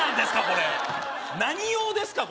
これ何用ですか？